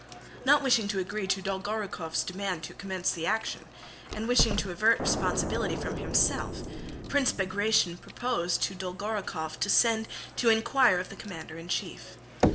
Not wishing to agree to Dolgorúkov's demand to commence the action, and wishing to avert responsibility from himself, Prince Bagratión proposed to Dolgorúkov to send to inquire of the commander in chief.